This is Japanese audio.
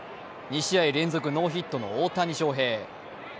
２試合連続ノーヒットの大谷翔平。